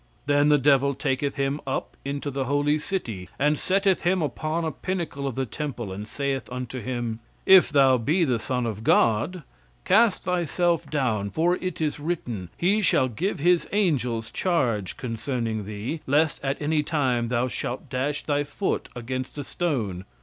Then the devil taketh him up into the holy city and setteth him upon a pinnacle of the temple and saith unto him: 'If thou be the son of God, cast thyself down, for it is written. He shall give his angels charge concerning thee, lest at any time thou shalt dash thy foot against a stone.'